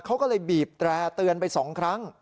เขาก็เลยบีบแตร่เตือนไป๒ครั้ง